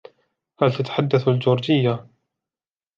هل تتحدث الجورجية؟